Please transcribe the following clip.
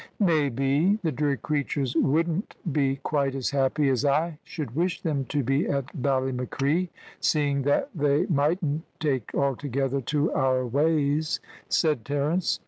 "May be, the dear creatures wouldn't be quite as happy as I should wish them to be at Ballymacree, seeing that they mightn't take altogether to our ways," said Terence.